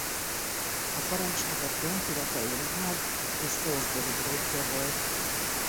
A parancsnok a trónkövetelő Richárd és Salisbury grófja volt.